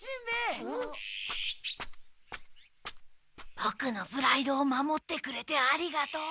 ボクのプライドを守ってくれてありがとう。